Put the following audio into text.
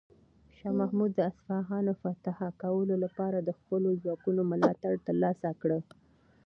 شاه محمود د اصفهان فتح کولو لپاره د خپلو ځواکونو ملاتړ ترلاسه کړ.